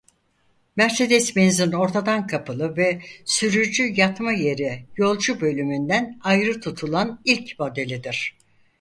Mercedes-Benz'in ortadan kapılı ve sürücü yatma yeri yolcu bölümünden ayrı tutulan ilk modelidir.